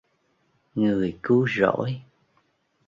người cứu rỗi